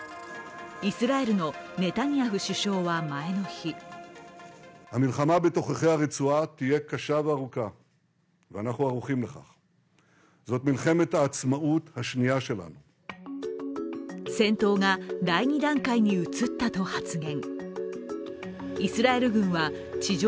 イスラエルのネタニヤフ首相は前の日戦闘が第２段階に移ったと発言。